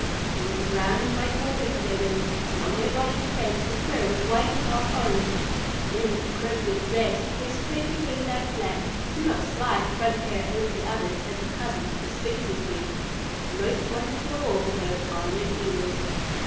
There was a brown and white border to their wings, and on their bodies and legs the fur was white and dark orange. When the Cecropias rest, they spread their wings out flat, and do not slide the front pair over the others as their cousins, the Sphinxes, do. The most wonderful of all, though, are their feelers.